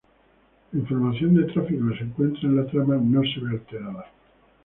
La información de tráfico que se encuentra en la trama no se ve alterada.